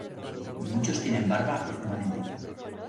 Muchos tienen barba y fuman en pipa.